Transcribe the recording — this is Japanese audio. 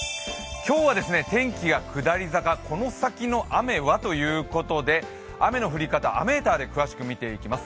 今日は天気が下り坂この先の雨はということで、雨の降り方、雨ーターで詳しく見ていきます。